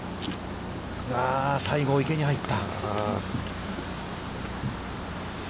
西郷、池に入った。